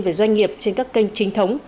về doanh nghiệp trên các kênh chính thống